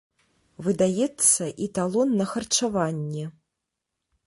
Выдаецца і талон на харчаванне.